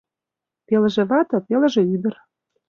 Пелыже вате, пелыже ӱдыр.